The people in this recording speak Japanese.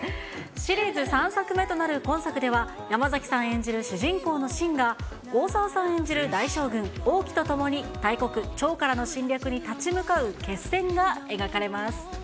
シリーズ３作目となる今作では、山崎さん演じる主人公の信が、大沢さん演じる大将軍、王騎と共に、大国、趙からの侵略に立ち向かう決戦が描かれます。